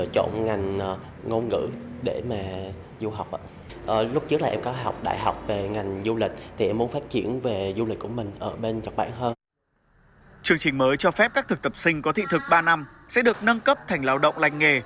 chương trình mới cho phép các thực tập sinh có thị thực ba năm sẽ được nâng cấp thành lao động lành nghề